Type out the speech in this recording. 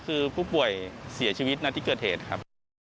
คือผู้ป่วยเสียชีวิตณที่เกิดเหตุครับ